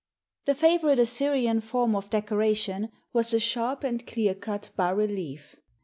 The favorite Assyrian form of decoration was a sharp and clear cut bas relief.